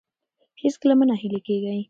هېڅکله مه ناهیلي کیږئ.